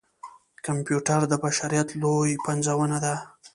کمپیوټر د بشريت لويه پنځونه ده.